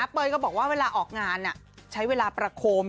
เป้ยก็บอกว่าเวลาออกงานใช้เวลาประโคม